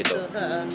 itu bener bagus tuh